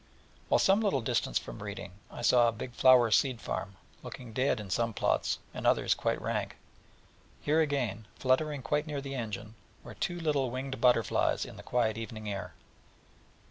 Well, some little distance from Reading I saw a big flower seed farm, looking dead in some plots, and in others quite rank: and here again, fluttering quite near the engine, two little winged aurelians in the quiet evening air.